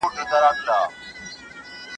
¬ چورت ئې واهه، خورجين ئې بايلوی.